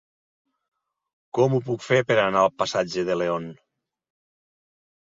Com ho puc fer per anar al passatge de León?